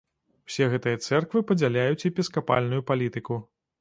Усе гэтыя цэрквы падзяляюць епіскапальную палітыку.